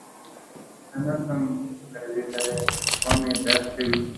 زه نسم ګرځیدلای پښه مي درد کوی.